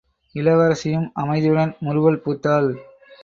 இளவரசியும் அமைதியுடன் முறுவல் பூத்தாள்.